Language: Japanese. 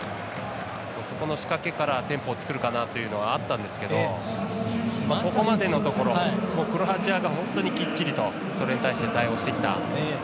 そこの仕掛けからテンポを作るかなというのはあったんですけどここまでのところクロアチアが本当に、きっちりとそれに対して反応してきた。